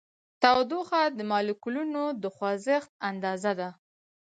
تودوخه د مالیکولونو د خوځښت اندازه ده.